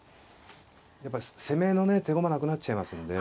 やっぱり攻めのね手駒なくなっちゃいますんで。